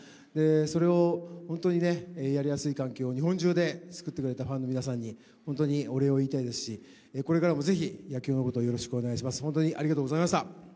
それを本当にやりやすい環境を日本中で作ってくれたファンの皆さんに本当にお礼を言いたいですしこれからもぜひ野球のことをよろしくお願いします、本当にありがとうございました。